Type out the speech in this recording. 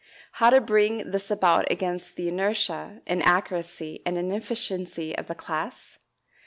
How to bring this about against the inertia, inaccuracy, and inefficiency of the class?